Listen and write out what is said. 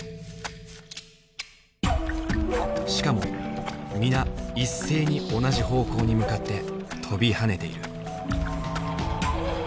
しかも皆一斉に同じ方向に向かって跳びはねている。